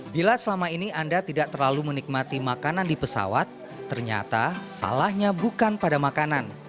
bila selama ini anda tidak terlalu menikmati makanan di pesawat ternyata salahnya bukan pada makanan